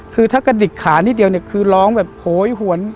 คือถ้ากระดิกขานิดเดียวเนี่ยคือร้องแบบโหยหวน